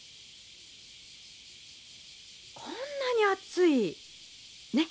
こんなに熱いねっ